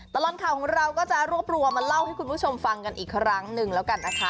ตลอดข่าวของเราก็จะรวบรวมมาเล่าให้คุณผู้ชมฟังกันอีกครั้งหนึ่งแล้วกันนะคะ